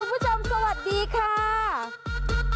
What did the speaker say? คุณผู้ชมสวัสดีค่ะ